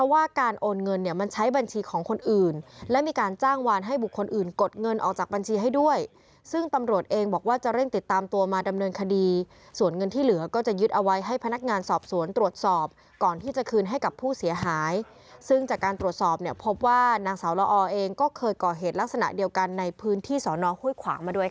ว่าการโอนเงินเนี่ยมันใช้บัญชีของคนอื่นและมีการจ้างวานให้บุคคลอื่นกดเงินออกจากบัญชีให้ด้วยซึ่งตำรวจเองบอกว่าจะเร่งติดตามตัวมาดำเนินคดีส่วนเงินที่เหลือก็จะยึดเอาไว้ให้พนักงานสอบสวนตรวจสอบก่อนที่จะคืนให้กับผู้เสียหายซึ่งจากการตรวจสอบเนี่ยพบว่านางสาวละออเองก็เคยก่อเหตุลักษณะเดียวกันในพื้นที่สอนอห้วยขวางมาด้วย